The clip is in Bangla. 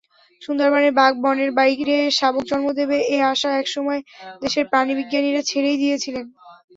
সুন্দরবনের বাঘ বনের বাইরে শাবক জন্ম দেবে—এ আশা একসময় দেশের প্রাণিবিজ্ঞানীরা ছেড়েই দিয়েছিলেন।